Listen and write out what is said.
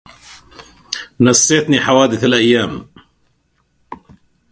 نسيتني حوادث الأيام